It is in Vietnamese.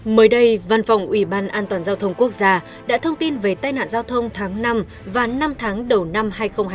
mới đây văn phòng ủy ban an toàn giao thông quốc gia đã thông tin về tai nạn giao thông tháng năm và năm tháng đầu năm hai nghìn hai mươi